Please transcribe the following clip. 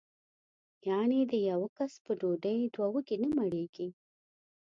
یعنې د یوه کس په ډوډۍ دوه وږي نه مړېږي.